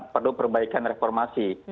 perlu perbaikan reformasi